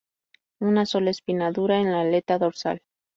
Una sola espina dura en la aleta dorsal.